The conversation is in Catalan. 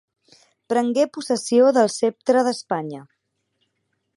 Prengué possessió del ceptre d'Espanya.